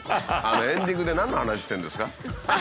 エンディングで何の話してるんですか。